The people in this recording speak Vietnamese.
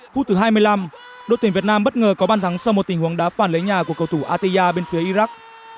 phút thứ hai mươi năm đội tuyển việt nam bất ngờ có bàn thắng sau một tình huống đá phản lấy nhà của cầu thủ atia bên phía iraq